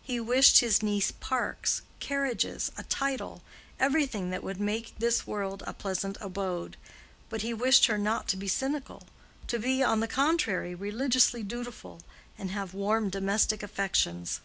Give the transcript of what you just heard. He wished his niece parks, carriages, a title—everything that would make this world a pleasant abode; but he wished her not to be cynical—to be, on the contrary, religiously dutiful, and have warm domestic affections.